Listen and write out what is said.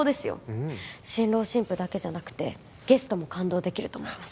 うん新郎新婦だけじゃなくてゲストも感動できると思います